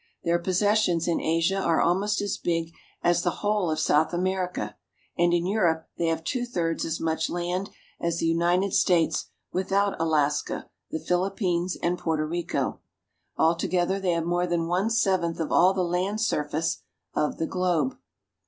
Their possessions in Asia are almost as big as the whole of South America, and in Europe they have two thirds as much land as the United States without Alaska, the Philippines, and Porto Rico. Altogether they have more than one seventh of all the land surface of the globe.